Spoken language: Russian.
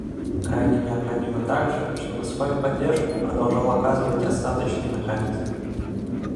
Крайне необходимо также, чтобы свою поддержку продолжал оказывать Остаточный механизм.